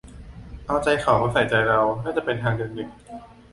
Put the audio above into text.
"เอาใจเขามาใส่ใจเรา" น่าจะเป็นทางเดินหนึ่ง